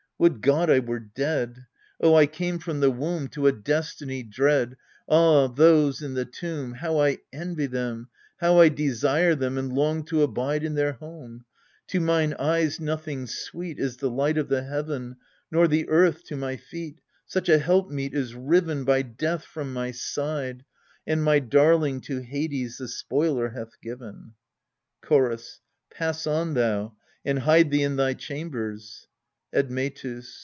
Would God I were dead ! Oh, I came from the womb ALCESTIS 227 To a destiny dread ! Ah, those in the tomb How I envy them ! How I desire them, and long to abide in their home ! To mine eyes nothing sweet Is the light of the heaven, Nor the earth to my feet ; Such a helpmeet is riven By Death from my side, and my darling to Hades the spoiler hath given. Chorus. Pass on thou, and hide thee In thy chambers. Admetus.